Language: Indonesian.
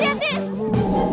ya allah ibu